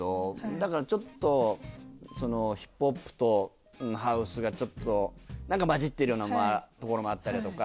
だからちょっとヒップホップとハウスが何かまじってるようなところもあったりだとか。